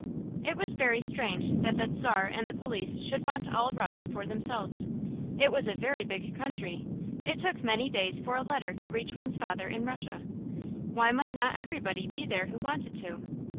It was very strange that the Czar and the police should want all Russia for themselves. It was a very big country; it took many days for a letter to reach one's father in Russia. Why might not everybody be there who wanted to?